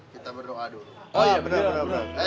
kita berdoa dulu